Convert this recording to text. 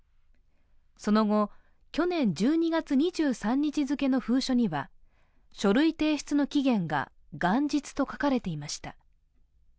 その後、去年１２月２３日付の封書には書類提出の期限が元日と書かれていました。